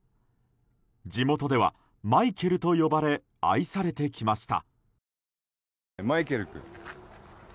地元ではマイケルと呼ばれ愛されてきました。